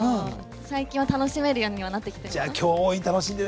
最近は楽しめるようにはなってきています。